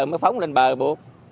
mới phóng lên bờ buộc